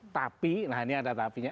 tapi nah ini ada tapi nya